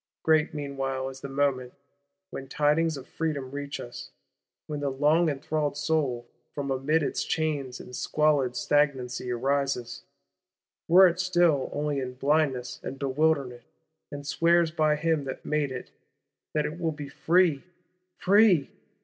Great meanwhile is the moment, when tidings of Freedom reach us; when the long enthralled soul, from amid its chains and squalid stagnancy, arises, were it still only in blindness and bewilderment, and swears by Him that made it, that it will be free! Free?